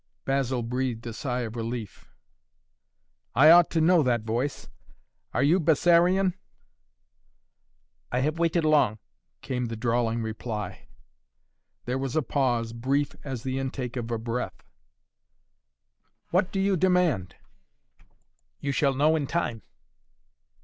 Basil breathed a sigh of relief. "I ought to know that voice. You are Bessarion?" "I have waited long," came the drawling reply. There was a pause brief as the intake of a breath. "What do you demand?" "You shall know in time."